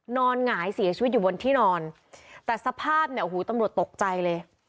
หงายเสียชีวิตอยู่บนที่นอนแต่สภาพเนี่ยโอ้โหตำรวจตกใจเลย